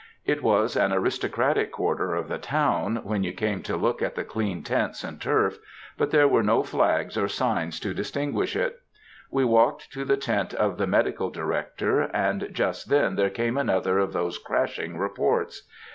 It was an aristocratic quarter of the town, when you came to look at the clean tents and turf, but there were no flags or signs to distinguish it. We walked to the tent of the Medical Director, and just then there came another of those crashing reports.